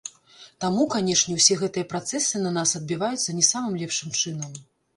Таму, канешне, усе гэтыя працэсы на нас адбіваюцца не самым лепшым чынам.